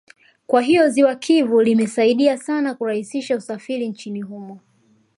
Kwa hiyo ziwa Kivu limesaidia sana kurahisisha usafiri nchini humo